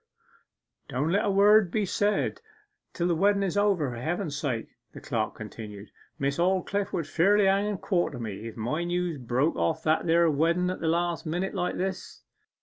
'Don't let a word be said till the wedden is over, for Heaven's sake,' the clerk continued. 'Miss Aldclyffe would fairly hang and quarter me, if my news broke off that there wedden at a last minute like this.